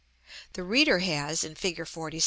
The reader has in Fig. LXVI.